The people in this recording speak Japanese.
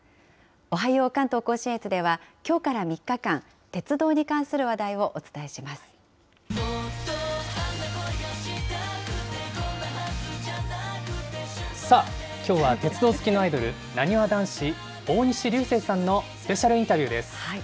おはよう関東甲信越ではきょうから３日間、鉄道に関する話題をおさあ、きょうは鉄道好きのアイドル、なにわ男子・大西流星さんのスペシャルインタビューです。